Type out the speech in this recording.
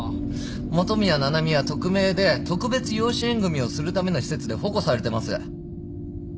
元宮七海は匿名で特別養子縁組をするための施設で保護されてます。